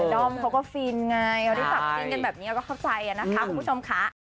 เดิมเขาก็ฟินไงเอาได้จับจริงกันแบบนี้ก็เข้าใจนะครับคุณผู้ชมค่ะ